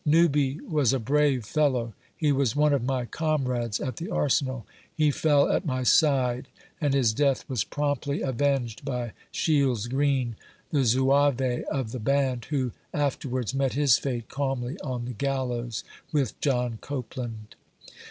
Newby was a brave fellow. He was one of my comrades at the Arsenal. He fell at my side, and his death was promptly avenged by Shields Green, the Zouave of the band, who afterwards met his fate calmly on the gallows, with John Copeland.